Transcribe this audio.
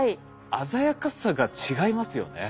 鮮やかさが違いますよね。